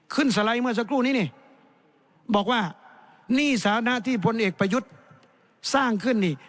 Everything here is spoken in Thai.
สไลด์เมื่อสักครู่นี้นี่บอกว่าหนี้สานะที่พลเอกประยุทธ์สร้างขึ้นนี่